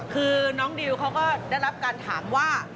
คือน้องดิวเขาก็ได้รับการถามว่า